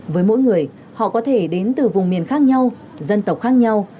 với mỗi người họ có thể đến từ vùng miền khác nhau dân tộc khác nhau